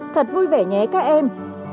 thật vui vẻ nhé các em